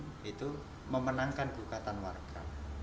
yaitu memenangkan gugatan warga